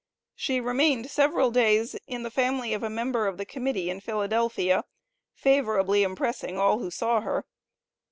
She remained several days in the family of a member of the Committee in Philadelphia, favorably impressing all who saw her.